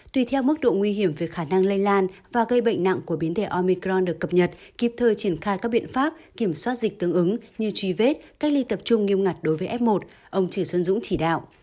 tùy theo mức độ nguy hiểm về khả năng lây lan và gây bệnh nặng của biến thể omicron được cập nhật kịp thời triển khai các biện pháp kiểm soát dịch tương ứng như truy vết cách ly tập trung nghiêm ngặt đối với f một ông trừ xuân dũng chỉ đạo